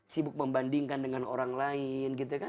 sibuk membandingkan dengan orang lain